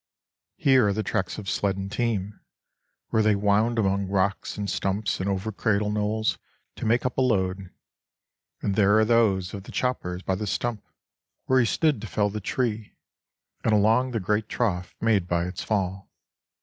Here are the tracks of sled and team, where they wound among rocks and stumps and over cradle knolls to make up a load; and there are those of the chopper by the stump where he stood to fell the tree, and along the great trough made by its fall.